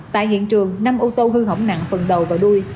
tại hiện trường năm ô tô hư hỏng nặng phần đầu và đuôi